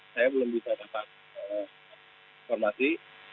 saya belum bisa dapat informasi